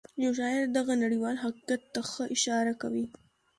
يو شاعر دغه نړيوال حقيقت ته ښه اشاره کوي.